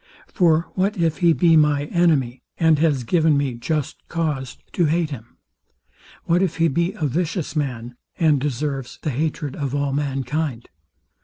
For what if he be my enemy, and has given me just cause to hate him? What if he be a vicious man, and deserves the hatred of all mankind?